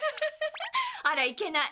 あらいけない！